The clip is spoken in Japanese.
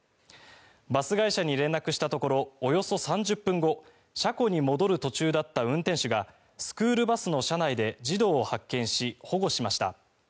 バス会社に連絡したところおよそ３０分後車庫に戻る途中だった運転手がスクールバスの車内で児童を発見し保護しました。